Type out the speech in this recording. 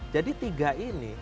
jadi tiga ini